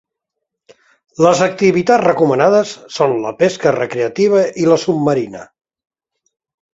Les activitats recomanades són la pesca recreativa i la submarina.